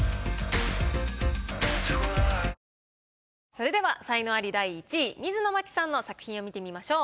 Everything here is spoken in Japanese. それでは才能アリ第１位水野真紀さんの作品を見てみましょう。